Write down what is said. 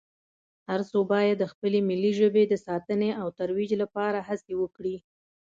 هر څو باید د خپلې ملي ژبې د ساتنې او ترویج لپاره هڅې وکړي